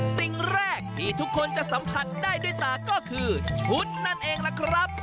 สิ่งแรกที่ทุกคนจะสัมผัสได้ด้วยตาก็คือชุดนั่นเองล่ะครับ